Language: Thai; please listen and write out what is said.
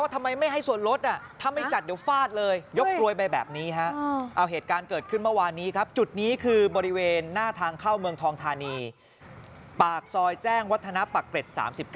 ทำไมไม่ให้ส่วนรถถ้าไม่จัดเดี๋ยวฟาดเลยยกกลวยไปแบบนี้ฮะเอาเหตุการณ์เกิดขึ้นเมื่อวานนี้ครับจุดนี้คือบริเวณหน้าทางเข้าเมืองทองธานีปากซอยแจ้งวัฒนะปักเกร็ด๓๙